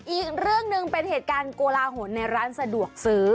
อีกเรื่องหนึ่งเป็นเหตุการณ์โกลาหลในร้านสะดวกซื้อ